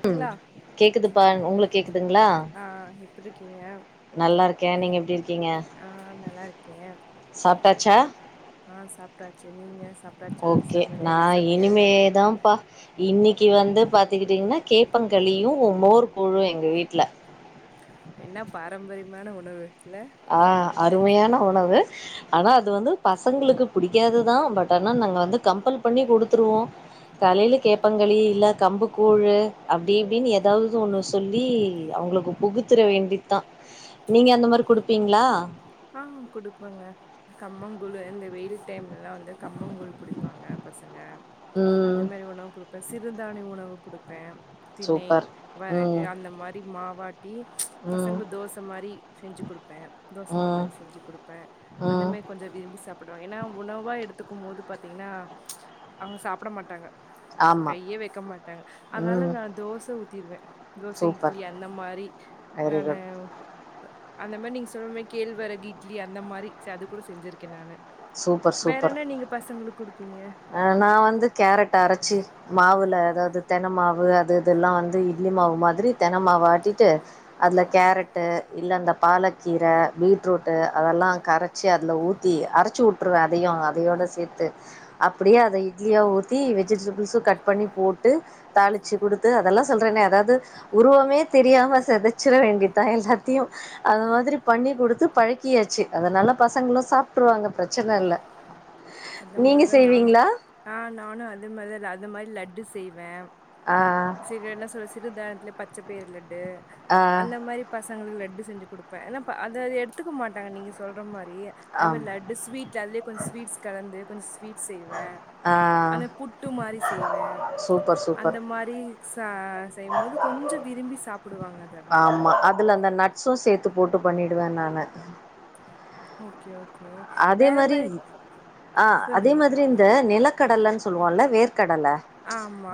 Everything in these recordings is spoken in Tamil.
கீங்களா ஆ எப்படி இருக்கீங்க ஆ நல்லா இருக்கே சாப்ட்டாச்ச ஆ சாப்ட்டாச்சு நீங்க சாப் ஓகே நா இனிமே தாம்ப்பா இன்னிக்கி வந்து பார்த்துக்கிட்டிங்கன்னா கேப்பங்களியும் ம் மோர் கூழூ எங்க வீட்ல என்ன பாரம்பரியமான உணவு இல்ல ஆ அருமையான உணவு ஆனா அது வந்து பசங்களுக்கு புடிக்காது தா பட் ‌ஆனா நாங்க வந்து கம்பல் பண்ணி கொடுத்துருவோ காலையில கேப்பங் களி இல்ல கம்புக் கூழு அப்டி இப்டின்னு ஏதாவது ஒன்னு சொல்லி அவங்களுக்கு புகுத்துர வேண்டி தா நீங்க அந்த மாரி கொடுப்பீங்ளா ஆ குடுப்பங்க கம்மங் கூழு இந்த வெயில் டைம்ல்லா வந்து கம்மங் கூழ் குடிப்பாங்க பசங்க அந்த மாரி உணவு கொடுப்பே சிறுதாணிய உணவு குடுப்பே திணை வரகு அந்த மாரி மாவாட்டி பசங்ளுக் தோச மாரி செஞ்சு குடுப்பே தோச மாவுல செஞ்சு குடுப்பே அந்த மாரி கொஞ்ச விரும்பி சாப்டுவாங்க ஏன்னா உணவா எடுத்துக்கும் போது பாத்தீங்ன்னா அவங்க சாப்பட மாட்டாங்க கையே வைக்க மாட்டாங்க அதனால நா தோச ஊத்திருவே தோச இட்லி அந்த மாரி நானு அந்த மானி நீங்க சொன் மாரி கேழ்வரகு இட்லி அந்த மாரி ச அது கூட செஞ்சுருக்கே நானு வேற என்ன நீங்க பசங்ளுக்கு குடுப்பிங்க ஆ நா வந்து கேரட் அறச்சி மாவுல அதாவது தென மாவு அது இதுல்லா வந்து இட்லி மாவு மாத்ரி தெனமாவ ஆட் டிட்டு அதுல கேரட்டு இல்ல அந்த பாலக்கீர பீட்ரூட்டு அதெல்லா கரெச் சி அதுல ஊத்தி அரைச்சு வுட்ருவே அதையூ அதையோட சேத்து அப்படியே அத இட்லியா ஊத்தி வெஜிடபிள்ஸும் கட் பண்ணி போட்டு தாளிச் சு குடுத்து அதெல்லா சொல்றேனே அதாது உருவமே தெரியாம தெணுச்சிற வேண்டிதா எல்லாத்தையு அது மாத்ரி பண்ணி குடுத்து பழக்கியாச்சு அதனால பசங்களு சாப் ட்ருவாங்க பிரச்சன இல்ல அந்த மாரிதா நானு அ நானு அதே மாரிதா அது மாரி லட்டு செய்வே ஆ சிறு என்ன சொல் சிறு சிறுதாண்த்துல பச்ச பயிர் லட்டு அந்த மாரி பசங்ளுக்கு லட்டு செஞ்சு குடுப்பே ஏன்னா ப அத எடுத்துக்க மாட்டாங்க நீங்க சொல்ற மாரி அது மாரி லட்டு ஸ்வீட் அதுலேயே கொஞ்ச ஸ்வீடஸ் கலந்து கொஞ்ச ஸ் வீட் செய்வே அந்த புட்டு மாரி செய்வே அந்த மாரி ச செய்யும்போது கொஞ்ச விரும்பி சாப்புடுவாங்க ஆமா அதுல அந்த நட்ஸு செத்து போட்டு பண்ணிடுவே நானு ஓகே ஓகே வேற மாரி ஆ அதே மாதிரி இந்த நிலக்கடலன் சொல்லுவோல வேர்க்கடல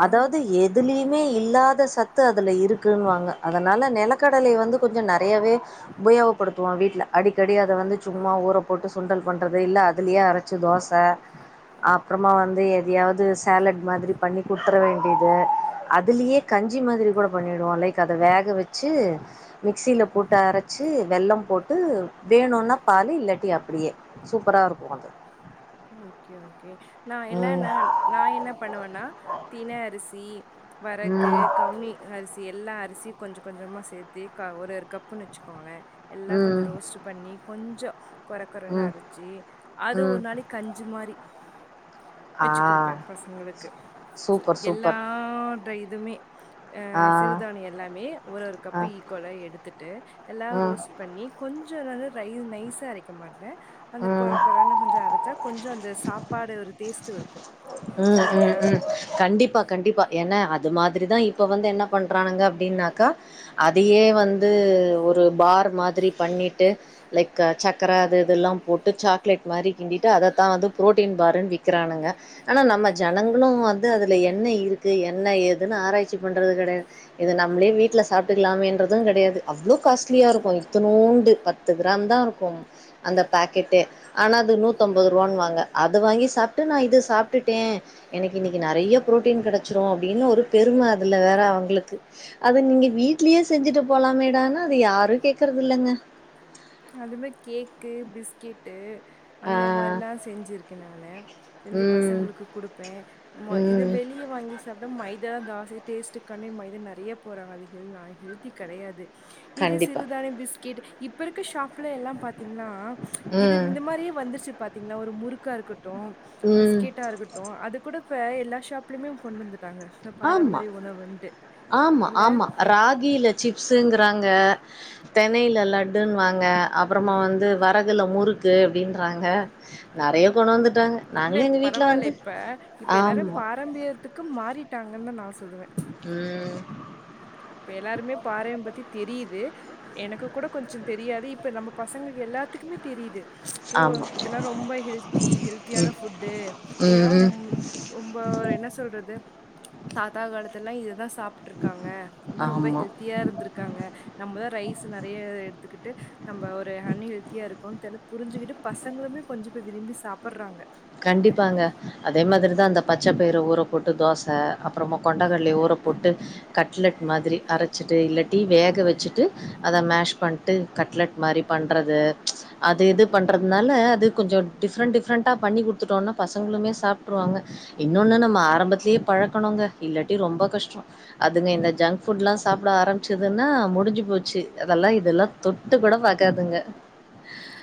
அதாவது எ துலயுமே இல்லாத சத்து அதுல இருக்குன்வாங்க அதனால நெலக்கடலய வந்து கொஞ்சோ நெறையவே உபயோகப்படுத்துவோ வீட்ல அடிக்கடி அத வந்து சும்மா ஊற போட்டு சுண்டல் பண்றது இல்ல அ துலையே அரச்சு தோச அப்புறமா வந்து எதையாவ்து சேலட் மாதிரி பண்ணி குடுத்துற வேண்டியது அதுலயே கஞ்சி மாதிரி கூட பண்ணிடுவோ லைக் அத வேக வெச்சு மிக்சியில போட்டு அர ச்சு வெல்லம் போட்டு வேணுனா பால் இல்லாட்டி அப்டியே சூப்பராக இருக்கு அது ஓகே ஓகே நா எல்லா நா நா என்ன பண்ணுவேன்னா திண அரிசி வரகு கவுனி அரிசி எல்லா அரிசி கொஞ்ச கொஞ்சமா சேத்து க ஒரு ஒரு கப்புன்னு வச்சுக்கோங்களே எல்லா கொஞ்சோ ரோஸ்ட் பண்ணி கொஞ்சொ கொற கொறன்னு அரிச்சி அது ஒரு நாளிக் கஞ்சு மாரி வெச்சு குடுப்பே பசங்களுக்கு எல்லாட இதுமே ஆ சிறுதாணியொ எல்லாமே ஒரு ஒரு கப்பு ஈக்குவலா எடுத்துட்டு எல்லா ரோஸ் பண்ணி கொஞ்ச ரர ரை நைஸா அரைக்க மாட்டே அந்த கொற கொறன்னு கொஞ்சோ அரச்சா கொஞ்ச அந்த சாப்பாடு ஒரு டேஸ்ட்டு இருக்கு ம் ம் ம் கண்டிப்பா கண்டிப்பா ஏன்னா அது மாதிரிதா இப்ப வந்து என்ன பண்றானுங்க அப்டின்னாக்கா அதையே வந்து ஒரு பார் மாதிரி பண்ணிட்டு லைக் சக்கர அது இதெல்லா போட்டு சாக்லேட் மாரி கிண்டிட்டு அதத்தா வந்து ப்ரோட்டீன் பாருன் விக்குறானுங்க நம்ம ஜனங்களு வந்து அதுல என்ன இருக்கு என்ன ஏதுன் ஆராய்ச்சி பண்றது கெடையா இது நம்ளே வீட்ல சாப்ட்டுக்கலாமேன்றது கெடையாது அவ்ளோ காஸ்ட்லியா இருக்கு இத்துனூண்டு பத்து கிராம் தா இருக்கு அந்த பாக்கெட்டே ஆனா அது நூத்தம்பதுருவான்னுவாங்க அது வாங்கி சாப்ட்டு நா இது சாப் ட்டுட்டே எனக்கு இன்னிக்கி நெறைய ப்ரோட்டீன் கெடச்சுரு அப்டின்னு ஒரு பெரும அதுல வேற அவுங்குளுக்கு அது நீங்க வீட்லியே செஞ்சுட்டு போலாமேடானா அது யாரு கேக்கறதுல்லங்க அதுமா கேக்கு பிஸ்கெட்டு அந்த மாரிலா செஞ்சிருக்கே நானு செஞ்சு பசங்களுக்கு குடுப்பே மொ இத வெளி யே வாங்கி சாப்ட்டா மைதா தாசி டேஸ்ட்டுக்கான மைதா நெறைய போறாங்க அது ஹெல் அ ஹெல்தி கெடையாது இதுலே சிறுதானிய பிஸ்கெட் இப்ப இருக்க ஷாப்ல எல்லா த்திங்னா இது இந்த மாரியே வந்துருச்சு பாத்தீங்களா ஒரு முறுக்கா இருக்கட்டு பிஸ்கெட்டா இருக்கட் டு அதுக்கூட இப்ப எல்லா ஷாப்லயுமே கொண்டு வந்துட் டாங்க இந்த பாரம்பரிய உணவுன்ட்டு இல்ல ஆகில சிப்ஸுங்குறாங்க தெணைல லட்டுன்வாங்க அப்றமா வந்து வரகுல முறுக்கு அப்டின்றாங்க நறை இல்ல இப் பரவால்ல இப்ப இப்ப எல்லார்யு பாத் ரம்பியத்துக்கு மாறிட்டாங்கன்தா நா சொல்லுவே ம் இப்ப எல்லாருமே பாறயம் பத்தி தெரியுது எனக்கு கூட கொஞ்ச தெரியாது இப்ப நம்ப பசங்ளுக்கு எல்லாத்துக்குமே தெரியிது ஓ இதலா ரொம்ப ஹெல்த்தி ஹெல்த்தியான ஃபுட்டு இதலா ம் ரொம்ப ஒர் என்ன சொல்றது தாத்தா காலத்துல்லா இததா சாப்ட்ருக்காங்க அந்த ரொம்ப ஹெல்த்தியா இருந்துருக்காங்க நம்பதா ரைஸ் நறைய எடுத்துக்குட்டு நம்ப ஒரு ஹன்னு ஹெல்தியா இருக்கோன் தெலு புரிஞ்சுகிட்டு பசங்ளுமே கொஞ்ச பேர் விரும்பி சாப்புட்றாங்க கண்டிப்பாங்க அதே மாதுரி தா அந்த பச்சைப்பயிற ஊற போட்டு தோச அப்புறமா கொண்டக்கல்லய ஊற போட்டு கட்லெட் மாதுரி அரச்சிட்டு இல்லட்டி வேக வச்சுட்டு அத மேஷ் ஷ் பண்ட்டு கட்லட் மாரி பண்றது அது இது பண்றதுனால அது கொஞ்சோ டிஃப்ரெண்ட் டிஃப்ரெண்டா பண்ணி குட்த்துட்டோன்னா ப பசங்ளுமே சாப்ட்ருவாங்க இன்னொன்னு நம்ப ஆரம்பத்துலேயே பழக்கணுங்க இல்லாட்டி ரொம்ப கஷ்ட்டோ அதுங்க இந்த ஜங்க் ஃபுட்லா சாப்புட ஆரம்ச்சுதுன்னா முடிஞ்சு போச்சு அதல்லா இதல்லா தொட்டு கூட பாக்காதுங்க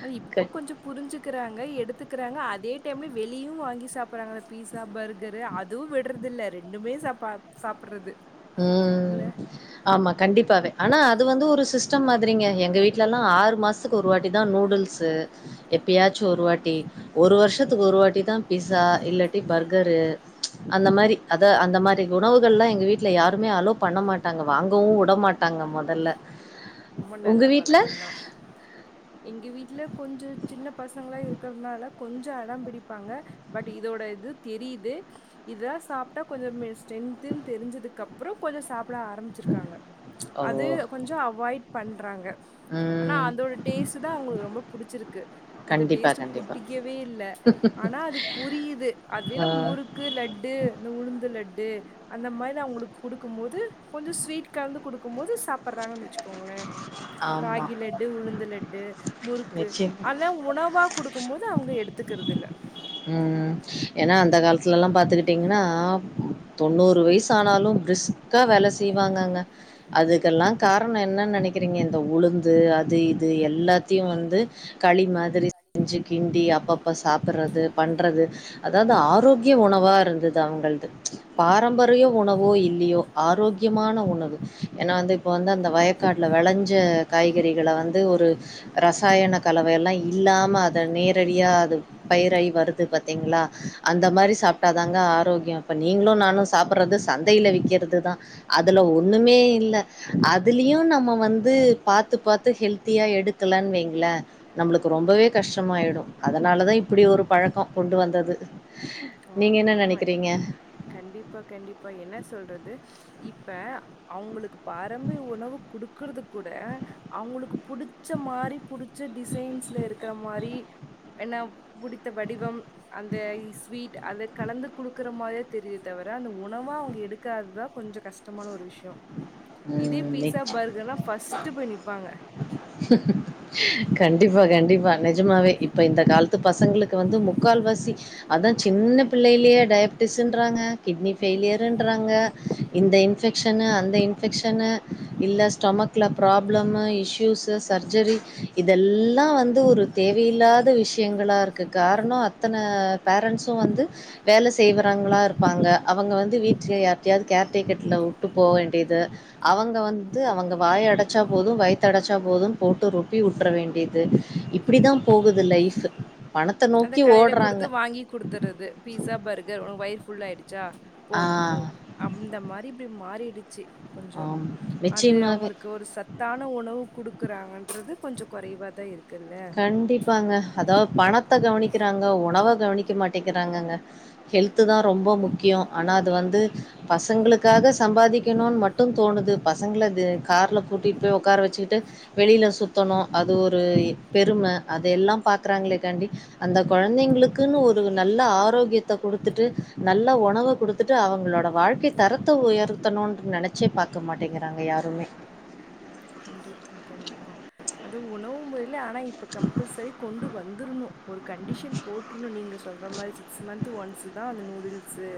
அது இப்போ கொஞ்ச புரிஞ்சுக்குறாங்க எடுத்துக்குறாங்க அதே டைம்ல வெளியு வாங்கி சாப்புற்றாங்க அந்த பீஸா பர்கரு அதுவு விட்றதுல்ல ரெண்டுமே வாங்கி சாப்பா சாப்பற்றது ம் ஆமா கண்டிப்பாவே ஆனா அது வந்து ஒரு சிஸ்டம் மாதுரிங்க எங்க வீட்லலா ஆறு மாசத்துக்கு ஒரு வாட்டி தா நூடுல்ஸ் து எப்பயாச்சு ஒருவாட்டி ஒரு வர்ஷத்துக்கு ஒருவாட்டிதா பிஸா இல்லாட்டி பர்கரு அந்த மாரி அத அந்த மாரி உணவுகள்ளா எங்க வீட் ட்ல யாருமே அலோ பண்ணமாட்டாங்க வாங்கவு உடமாட்டாங்க மொதல்ல ரொம்ப நல்ல பழக்கந்தா எங்கி வீட்ல கொஞ்ச சின்ன பசங்ளா இருக்கற்துனால கொஞ்ச அடம் பிடிப்பாங்க பட் இதோட இது தெரியுது இதாஸ் சாப்ட்டா கொஞ்ச மே ஸ்டெத்துன் தெரிஞ்சதுக்கப் ப்றோ கொஞ்ச சாப்புட ஆரமிச்சிருக்காங்க அது கொஞ்ச அவாய்ட் பண்றாங்க ஆனா அந்தோட டேஸ்ட்டுதா அவுங்களுக்கு ரொம்ப புடிச்சிருக்கு இத டேஸ்ட்டு புடிக்கவே ஆனா அது புரியுது அதுலேல முறுக் கு லட்டு இந்த உளுந்து லட்டு அந்த மாரி நா அவுங்குளுக்கு குடுக்கமோது கொஞ்சோ ஸ்வீட் கலந்து குடுக்கும்மோது சப் பற்றாங்கன் வச்சுக்கோங்களே ராகி லட்டு உளுந்து லட்டு முறுக்கு அத உணவா குடுக்கும்போது அவுங்க எடுத்துக்கற்து இல்ல ம் ஏன்னா அந்த காலத்துல்லா பாத்துக்குட்டீங்கன்னா தொண்ணூறு வய்சு ஆனாலு பிரிஸ்கா வேல செய்வாங்கங்க அதுக்கெல்லா காரண என்னன் நெனக்கிறீங்க இந்த உளுந்து இது எல்லாத்தியு வந்து களி மாதுரி செஞ்சு கிண்டி அப்பப்ப சாப்புற்றது பண்றது அதாவ்து ஆரோக்கிய உணவா இருந்துது து அவுங்கள்து பாரம்பரிய உணவு இல்லியோ ஆரோக்கியமான உணவு ஏன்னா வந்து இப்ப வந்து அந்த வயக்காட்ல விளஞ்ச காய்கறிகள வந்து ஒரு ரசாயன கலவயெல்லா இல்லாம அத நேரடியா அது பயிராகி வருது பாத்தீங்ளா அந்த மாரி சாப் ட்டாதாங்க ஆரோக்கியோ இப்ப நீ நீங்ளு நானு சாப்புடுறது சந்தையில விக்கிறது தா அதுல ஒண்ணுமே இல்ல அதுலயு நம்ம வந்து பாத்து பாத்து ஹெல்த்தியா எடுக்கலன்னு வைங்ளே நம்மளுக்கு ரொம்பவே கஷ்டமாயிடு அதனாலதா இப்டி ஒரு பழக்கோ கொண்டு வந்தது நீங்க என்ன நினைக்கிறீங்க கண்டிப்பா கண்டிப்பா என்ன சொல்றது இப்ப அவங்களுக்கு பாரம்பரிய உணவு கொடுக்குறது கூட அவங்களுக்கு புடிச்ச மாரி புடிச்ச டிசைன்ஸ்ல இருக்க மாரி என்ன புடித்த வடிவம் அந்த ஸ்வீட் அத கலந்து கொடுக்குற மாரியே தெரியுது தவிர அந்த உணவா அவங்க எடுக்காதுதா கொஞ்ச கஷ்டமான ஒரு விஷயோ இதே பீஸா பர்கர்னா ஃபஸ்ட்டு போய் நிப்பாங்க கண்டிப்பா கண்டிப்பா நிஜமாவே இப்ப இந்த காலத்து பசங்களுக்கு வந்து முக்கால் வாசி அதா சின்ன பிள்ளையிலே டயப் டிஸுராங்க கிட்னி ஃபெய்லியருன்றாங்க இந்த இன்ஃபெக்ஷனு அந்த இன் சனு இல்ல ஸ்டொமக்ல ப்ராப்ளமு இஸ்யூஸு சர்ஜெரி இதெல் எல்லா வந்து ஒரு தேவையில்லாத விஷயங்களா இருக்கு காரணோ அத்தன பேரண்ட்ஸு வந்து வேல செய்வறாங்களா இருப்பாங்க அவங்க வந்து வீட்டு யார்டயாவது கேர் டேக்கெட்ல விட்டு போவேண்டி இது அவங்க வந்து அவங்க வாயடச்சா போது வயித்தடச்சா போது போட்டு ரொட்டி ட்டி விட்டுற வேண்டியது இப்டி தா போகுது லைஃபு பணத்த நோக்கி ஓடுறாங்க வாங்கி குடுத்துறது பீஸா பர்கர் உனக்கு வயிறு ஃபுல்லாயிடுச்சா போது போ அந்த மாரி இப்டி மாறிடுச்சு கொஞ்ச அது அவுங்களுக்கு ஒரு சத் தான உணவு கொடுக்குறாங்கன்றது கொஞ்சோ கொறைவாதா இருக்கு கண்டிப்பாங்க அதாவ்து பணத்த கவனிக்கிறாங்க உணவ கவனிக்க மாட்டேங்கிறாங்கங்க ஹெல்த்து தா ரொம்ப முக்கியோ ஆனா அது வந்து பசங்களுக்காக சம்பாதிக்கணுனு மட்டு தோணுது பசங்களது கார்ல கூட்டிட்டு போய் உக்கார வச்சுக்கிட்டு வெளில சுத்தணு அது ஒரு பெரும அத எல்லா பாக்றாங்களேக்காண்டி அந்த குழந்தைங்களுக்குன்னு ஒரு நல்ல ஆரோக்கியத் த கொடுத்துட்டு நல்ல உணவ கொடுத்துட்டு அவங்களோட வாழ்க்கை தரத்த உயர்த்தணு நெனச் வச்சே பாக்க மாட்டேங்கிறாங்க யாருமே கண்டிப்பா கண்டிப்பா அதுவு உணவு முறை ஆனா இப்ப கம்பல்சரி கொண்டு வந்துருணு ஒரு கண்டிஷன் போட்ருனு நீங்க சொல்ற மாரி சிக்ஸ் மந்த் ஒன்ஸ் தா அந்த நூடுல்ஸு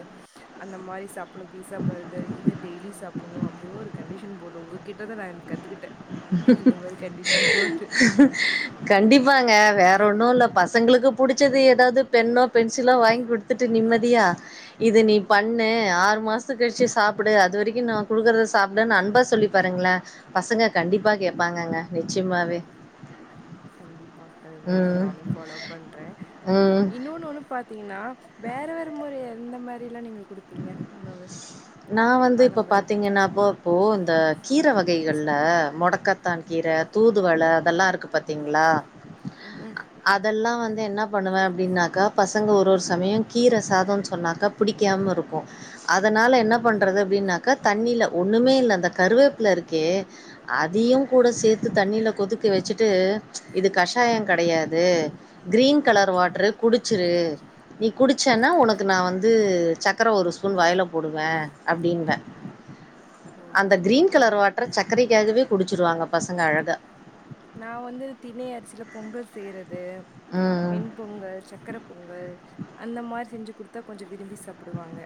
அந்த மாரி சாப்பிணு பீஸா பர்கர் இத டெய்லி சாப்பிணு அப்டினு ஒரு கண்டிஷன் போட்டு உங்களுக்கு கிட்டதா நானு கத்துக்கிட்டே கண்டிப்பாங்க வேற ஒன்னு இல்ல பசங் பசங்களுக்கு பிடிச்சது எதாவ்து பென்னோ பென்சிலோ வாங்கி கொடுத்துட்டு நிம்மதியா இது நீ பண்ணு ஆறு மாசத்து கழிச்சு சாப்டு அது வரைக்கு நா கொடுக்குறத சாப்டுன்னு அன்பா சொல்லி பாருங்ளே பசங்க கண்டிப்பா கேப்பாங்கங்க நிச்சயமாவே கண்டிப்பா அது ரெண்டு நானு ஃபாலோ பண்றே இன்னு இன்னொன்னு வந்து பாத்தீங்ன்னா வேற வேற முறை எந்த மாரில்லா நீங்க கொடுத் நா வந்து இப்ப பாத்தீங்கன்னா இப்போ இப்போ இந்த கீரை வகைகள்ல மொடக்கத்தான் கீர தூதுவள அதெல்லா இருக்கு பாத்தீங்ளா அதெல்லா வந்து என்ன பண்ணுவே அப்டின்னாக்கா பசங்க ஒரு ஒரு சமயோ கீர சாதம்னு சொன்னாக்கா பிடி க்கியாம இருக் கு அதனால என்ன பண்றது அப்டின்னாக்கா தண்ணில ஒண்ணுமே இல்ல அந்த கருவேப்பில இருக்கே அதையு கூட சேத்து தண்ணியில கொதிக்க வச்சுட்டு இது கஷாயொ கெடையாது கிரீன் கலர் வாட்ர்ரு குடிச்சுரு நீ குடிச்சன்னா உனக்கு நா வந்து சக் சக்கர ஒரு ஸ்பூன் வாய்ல போடுவே அப்டின்பே அந்த கிரீன் கலர் வாட்ர்ர சக்கரைக்காகவே குடிச்சிருவாங்க பசங்க அழகா நா வந்து திணை அரிசியில பொங்கல் செய்றது வெண் பொங்கல் சக்கர பொங்கல் அந்த மாதிரி செஞ்சு கொடுத்தா கொஞ்ச விரும்பி சாப்பிடுவாங்க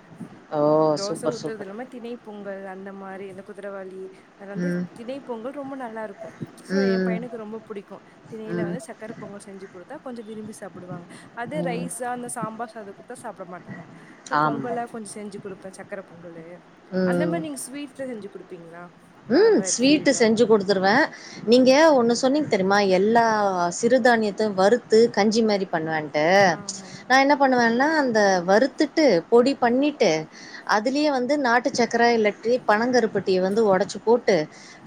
தோச ஊத்துறது இல்லாம தினை பொங்கல் அந்த மாரி இந்த குதிரவாளி வந்து திணை பொங்கல் ரொம்ப நல்லா இருக்கு சோ எ பையனுக்கு ரொம்ப புடிக்கு திணைல வந்து சக்கர பொங்கல் செஞ்சு குடுத்தா கொஞ்சோ விரும்பி சாப்டுவாங்க அது ரைஸா அந்த சாம்பார் சாதோ குடுத்தா சாப்ட மாட்டாங்க சொ பொங்கல்ல கொஞ்ச செஞ்சு கொடுப்ப இப்ப சக்கர பொங்கலு அந்த மாதிரி நீங்க ஸ்வீட்ஸ் செஞ்சு குடுப்பீங்களா ம் ஸ்வீட்டு செஞ்சு குடுத்துருவே நீங்க ஒன்னு சொன்னிங்க தெரிமா எல்லா சிறுதானியத்த வரு து கஞ்சி மாரி பண்வேண்டு நா என்ன பண்ணுவேன்னா அந்த வருறுத்துட்டு பொடி பண்ணிட்டு அதுலயே வந்து நாட் ட்டு சக்கர இல்லட்டி பனங்கருப்பட்டிய வந்து ஒடச்சு போட்டு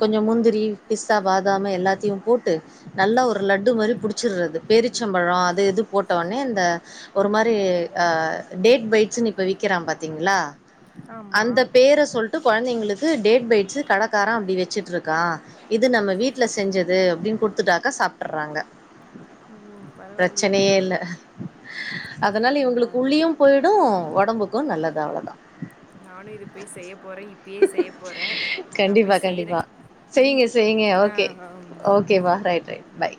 கொஞ்சோ முந்திரி பிஸ்தா பாதாம எல்லாத்தையு போட்டு நல்லா ஒரு லட்டு மாரி புடிச்சுறது பேரிச்சம்பழோ அது இது போட்ட வொனே இந்த ஒரு மாரி ஆ டேட் பைட்ஸ்ன்னு இப்ப விக்கிறா பாத்தீங்களா அந்த பேர சொல்லிட்டு கொழந்தைங்களுக்கு டேட் பைட்ஸ் கடக்கார அப்டி வச்சிட்டுருக்கா இது நம்ம வீட்ல செஞ்சது அப்டின்னு குடுத்துட்டாக்கா சாப்புட்றாங்க பிரச்சனையே இல்ல அதனால இவுங்குளுக்கு உள்ளியும் போயிடு ஒடம்புக்கு நல்லது அவ்ளோதா நானு இது போய் செய்ய போறே இப்பயே செய்ய போறே கண்டிப்பா கண்டிப்பா செய்ங்க செய்ங்க ஓகே ஓகே பா ரைட் ரைட் பாய்